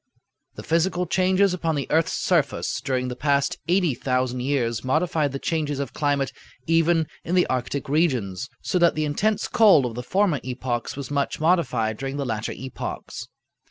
The physical changes upon the earth's surface during the past 80,000 years modified the changes of climate even in the Arctic regions, so that the intense cold of the former epochs was much modified during the latter epochs."